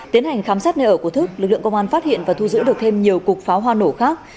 tiến hành khám xét nơi ở của thức lực lượng công an phát hiện và thu giữ được thêm nhiều cục pháo hoa nổ khác